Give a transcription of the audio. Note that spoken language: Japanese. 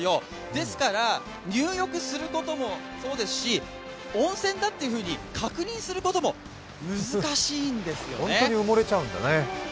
ですから、入浴することもそうですし、温泉だというふうに確認することも難しいんですよね。